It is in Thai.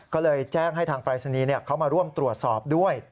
ก็เลยแจ้งให้ทางปรายศนีย์เขามาร่วมตรวจสอบด้วย